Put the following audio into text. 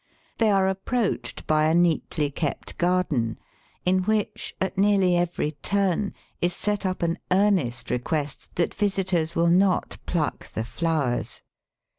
They are approached by a neatly kept garden, in which, at nearly every turn, is set up an earnest request that visitors will not pluck the flowers.